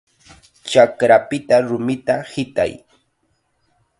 ¡Chakrapita rumita hitay!